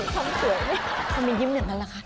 ทำให้สวยไหมทำให้ยิ้มเหมือนกันแหละค่ะ